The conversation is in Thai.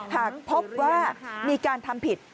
หากพบว่ามีการทำผิด